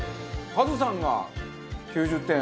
カズさんが９０点。